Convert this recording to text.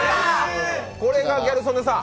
これがギャル曽根さん。